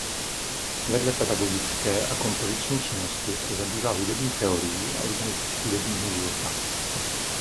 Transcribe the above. Vedle pedagogické a kompoziční činnosti se zabývá hudební teorií a organizací hudebního života.